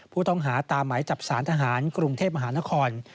ผู้ต้องหาตามหมายจับสารทหารกรุงเทพมหานคร